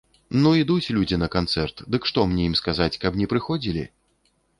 Ну, ідуць людзі на канцэрт, дык што мне ім сказаць, каб не прыходзілі?